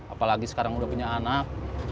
apalagi sekarang udah punya anak